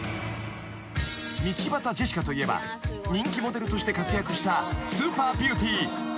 ［道端ジェシカといえば人気モデルとして活躍したスーパービューティー道端三姉妹の次女］